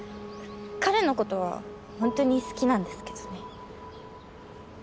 彼のことはホントに好きなんですけどね。